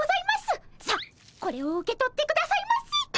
さあこれを受け取ってくださいませ。